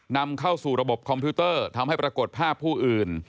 นำเข้าสู่ระบบคอมพิวเตอร์ทำให้ปรากฏภาพผู้อื่น